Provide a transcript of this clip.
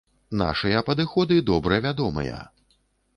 Нашыя падыходы добра вядомыя.